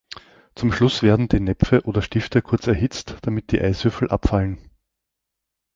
Zum Schluss werden die Näpfe oder Stifte kurz erhitzt, damit die Eiswürfel abfallen.